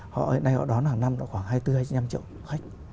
hiện nay họ đón hàng năm khoảng hai mươi bốn hai mươi năm triệu khách